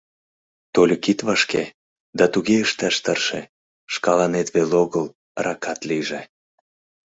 Тольык ит вашке, да туге ышташ тырше, шкаланет веле огыл ракат лийже.